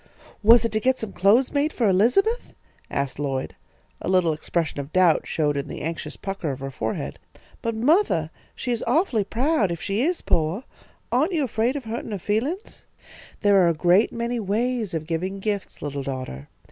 "Was it to get some clothes made for Elizabeth?" asked Lloyd. A little expression of doubt showed in the anxious pucker of her forehead. "But, mothah, she is awfully proud if she is poah. Aren't you afraid of hurtin' her feelin's?" "There are a great many ways of giving gifts, little daughter.